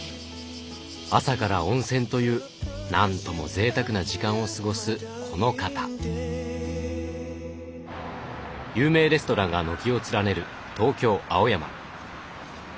朝から温泉という何ともぜいたくな時間を過ごすこの方有名レストランが軒を連ねる東京・青山。